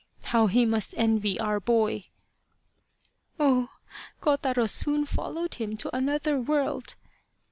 How he must envy our boy !"" Oh, Kotaro soon followed him to another world